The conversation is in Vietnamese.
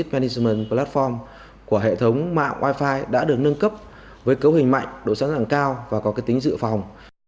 các hệ thống quản lý mạng network management platform của hệ thống mạng wi fi đã được nâng cấp với cấu hình mạnh độ sẵn sàng cao và có tính dựa phòng